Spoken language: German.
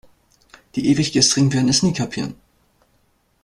Die Ewiggestrigen werden es nie kapieren.